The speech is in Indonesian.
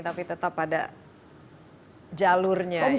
tapi tetap ada jalurnya